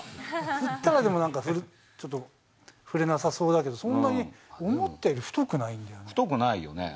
振ったらでも、ちょっと振れなさそうだけど、そんなに思ったより太くないんだ太くないよね。